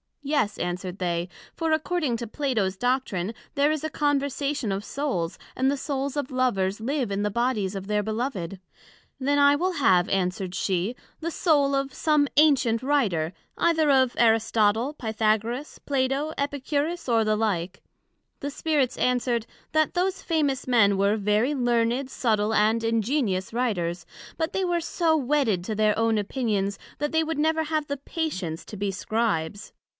Yes, answered they, for according to Plato's Doctrine, there is a Conversation of Souls, and the Souls of Lovers live in the Bodies of their Beloved. Then I will have, answered she, the Soul of some ancient famous Writer, either of Aristotle, Pythagoras, Plato, Epicurus, or the like. The Spirits said, That those famous Men were very learned, subtile, and ingenious Writers; but they were so wedded to their own opinions, that they would never have the patience to be Scribes.